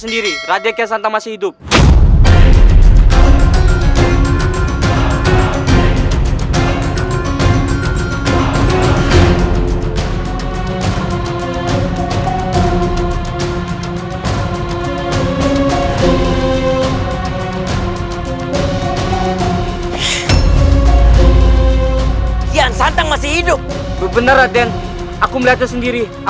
kau tidak akan percaya begitu saja